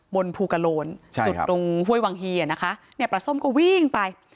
บนภูกระโลนจุดตรงห้วยวังฮีอ่ะนะคะเนี่ยปลาส้มก็วิ่งไป